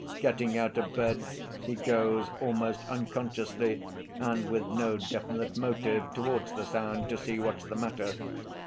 "Getting out of bed, he goes almost unconsciously and with no definite motive towards the sound to see what's the matter.